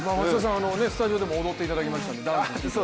スタジオでも踊っていただきましたけれども。